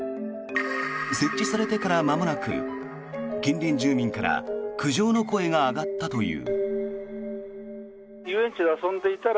設置されてからまもなく近隣住民から苦情の声が上がったという。